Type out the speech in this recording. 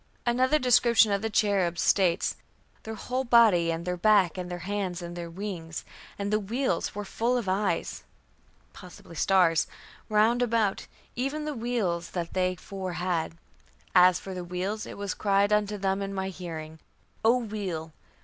" Another description of the cherubs states: "Their whole body, and their backs, and their hands, and their wings, and the wheels, were full of eyes (? stars) round about, even the wheels that they four had. As for the wheels, it was cried unto them in my hearing, O wheel!"